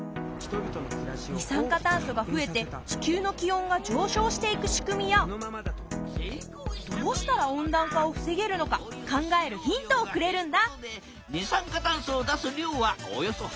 二酸化炭素がふえて地球の気温が上昇していく仕組みやどうしたら温暖化をふせげるのか考えるヒントをくれるんだ。